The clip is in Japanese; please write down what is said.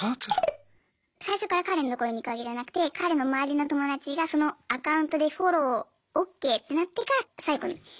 最初から彼のところに行くわけじゃなくて彼の周りの友達がそのアカウントでフォローＯＫってなってから最後に潜り込むって感じですね。